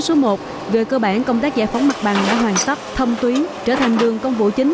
số một về cơ bản công tác giải phóng mặt bằng đã hoàn tất thâm tuyến trở thành đường công vụ chính